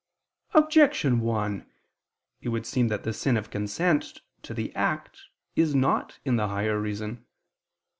Objection 1: It would seem that the sin of consent to the act is not in the higher reason.